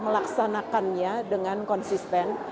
melaksanakannya dengan konsisten